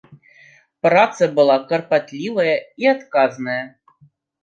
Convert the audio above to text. Праца была карпатлівая і адказная.